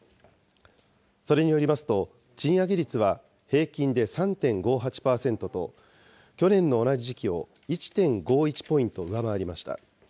それによりますと、賃上げ率は平均で３．５８％と、去年の同じ時期を１．５１ポイント上回りました。